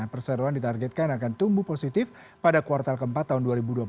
perseroan ditargetkan akan tumbuh positif pada kuartal keempat tahun dua ribu dua puluh satu